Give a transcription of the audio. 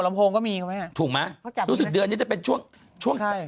ลำโพงก็มีไหมฮะถูกไหมเขาจับรู้สึกเดือนเนี้ยจะเป็นช่วงใช่